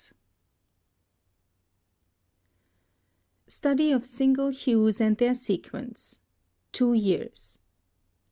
Munsell. STUDY OF SINGLE HUES AND THEIR SEQUENCE. Two Years.